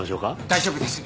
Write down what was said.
大丈夫です。